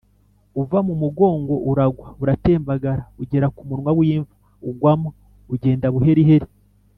umuva mu mugongo, uragwa, uratembagara, ugera ku munwa w’imva, ugwamo, ugenda buheriheri